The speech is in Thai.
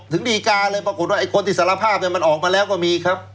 ถึงดีการเลยปรากฏว่าไอ้คนที่สารภาพเนี่ยมันออกมาแล้วก็มีครับ